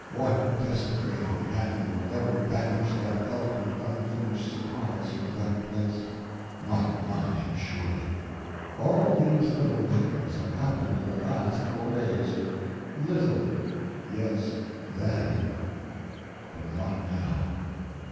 What desecrating hand will ever banish that eloquent unfinished surprise from that place? Not mine, surely. All these little matters have happened in the last four days. "Little." Yes—then. But not now.